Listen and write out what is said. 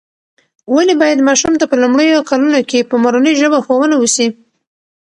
ولې باید ماشوم ته په لومړیو کلونو کې په مورنۍ ژبه ښوونه وسي؟